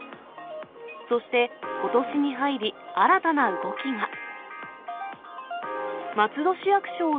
そしてことしに入り、新たな動きが。